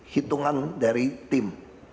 hitungan dari tim